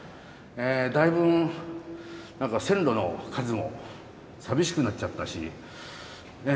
だいぶ何か線路の数も寂しくなっちゃったしね。